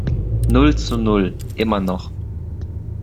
Null zu Null, immer noch.